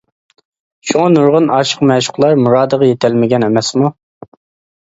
شۇڭا نۇرغۇن ئاشىق مەشۇقلار مۇرادىغا يىتەلمىگەن ئەمەسمۇ.